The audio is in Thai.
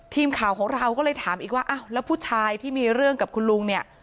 ทีมข่าวของเราก็เลยถามอีกว่าอ้าวแล้วผู้ชายที่มีเรื่องกับคุณลุงเนี่ย